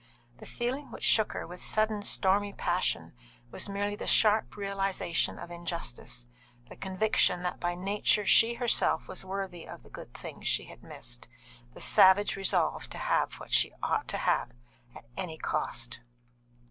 The feeling which shook her with sudden, stormy passion was merely the sharp realisation of injustice, the conviction that by nature she herself was worthy of the good things she had missed, the savage resolve to have what she ought to have, at any cost.